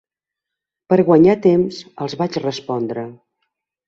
Per guanyar temps els vaig respondre.